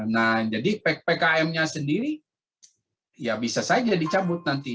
nah jadi pkm nya sendiri ya bisa saja dicabut nanti